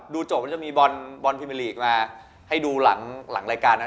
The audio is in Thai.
จบมันจะมีบอลพรีเมอร์ลีกมาให้ดูหลังรายการนั้น